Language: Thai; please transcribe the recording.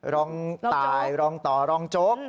รองตายรองต่อรองโจ๊ก